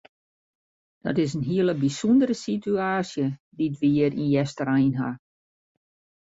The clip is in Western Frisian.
Dat is in hele bysûndere situaasje dy't we hjir yn Easterein ha.